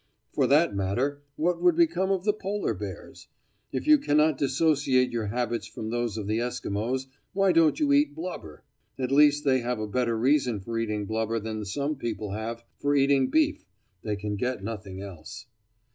For that matter, what would become of the polar bears? If you cannot dissociate your habits from those of the Esquimaux, why don't you eat blubber? At least they have a better reason for eating blubber than some people have for eating beef—they can get nothing else.